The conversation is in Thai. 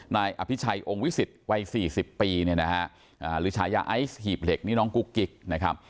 นายอภิชัยองค์วิสิตวัย๔๐ปีเนี่ยนะฮะหรือฉายาไอซ์หีบเหล็กนี่น้องกุ๊กกิ๊กนะครับ